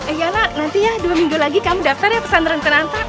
iya lah nanti ya dua minggu lagi kamu daftar ya pesantren terantak